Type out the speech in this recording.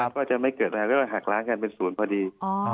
ก็จะไม่เกิดอะไรแล้วก็หักล้างกันเป็น๐พอดี